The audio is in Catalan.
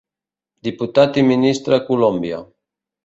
Diputat i ministre a Colòmbia.